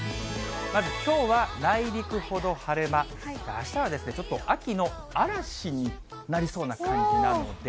まずきょうは内陸ほど晴れ間、あしたはちょっと秋の嵐になりそうな感じなので。